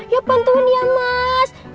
ya bantuin ya mas